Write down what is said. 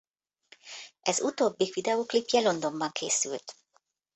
Ez utóbbi videóklipje Londonban készült.